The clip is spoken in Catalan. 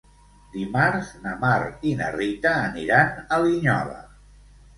Dimarts na Mar i na Rita aniran a Linyola.